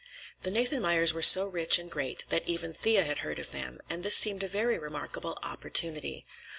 The Nathanmeyers were so rich and great that even Thea had heard of them, and this seemed a very remarkable opportunity.